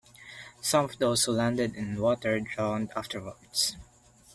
Some of those who landed in water drowned afterwards.